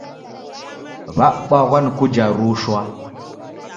W'abwaghwa ni kuja rushwa.